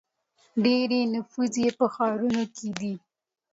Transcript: ډیری نفوس یې په ښارونو کې دی.